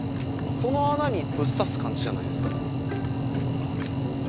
その穴にぶっさす感じじゃないですか。